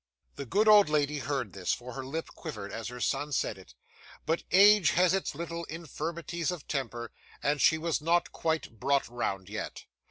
The good old lady heard this, for her lip quivered as her son said it. But age has its little infirmities of temper, and she was not quite brought round yet.